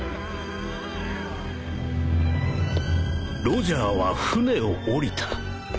ロジャーは船を降りた